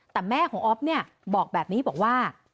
แต่แม่ของอ๊อฟเนี่ยบอกแบบนี้บอกว่า